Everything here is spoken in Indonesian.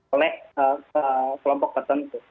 oleh kelompok tertentu